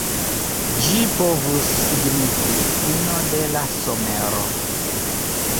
Ĝi povus signifi "fino de la somero".